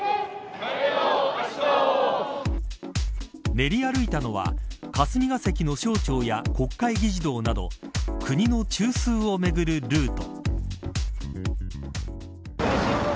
練り歩いたのは霞が関の省庁や国会議事堂など国の中枢を巡るルート。